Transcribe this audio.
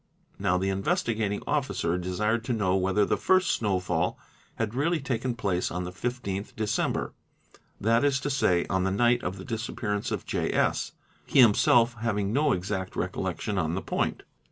Now the Investigating Officer desired to know whether the first snowfall had really taken place on the 15th December, that is to say, on the night of ' the disappearance of J. S., he himself having no exact recollection on the ~ point.